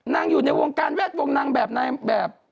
อยู่ในวงการแวดวงนางแบบในแบบ